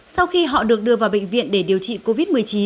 sau khi họ được đưa vào bệnh viện để điều trị covid một mươi chín